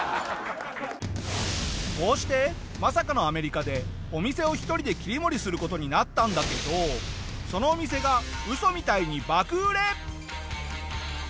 こうしてまさかのアメリカでお店を１人で切り盛りする事になったんだけどそのお店がウソみたいに爆売れ。